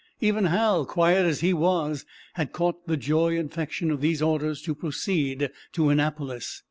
Even Hal, quiet as he was, had caught the joy infection of these orders to proceed to Annapolis.